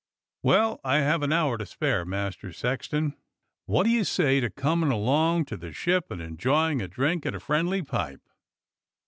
"Well, IVe an hour to spare. Master Sexton. What do you say to coming along to the Ship and enjoying a drink and a friendly pipe?"